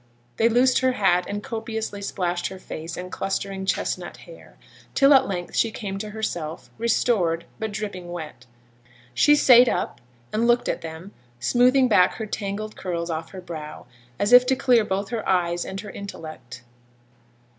They loosed her hat, and copiously splashed her face and clustering chestnut hair, till at length she came to herself; restored, but dripping wet. She sate up and looked at them, smoothing back her tangled curls off her brow, as if to clear both her eyes and her intellect.